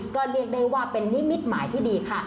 ก็เรียกได้ว่าเป็นนิมิตหมายที่ดีค่ะ